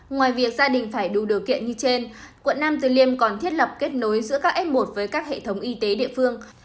ngoài việc gia đình phải đủ điều kiện như trên quận nam từ liêm còn thiết lập kết nối giữa các f một với các hệ thống y tế địa phương